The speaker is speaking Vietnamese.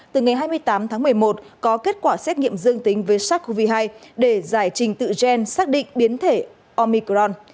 từ ngày hai mươi tám tháng một mươi một có kết quả xét nghiệm dương tính với sars cov hai để giải trình tự gen xác định biến thể omicron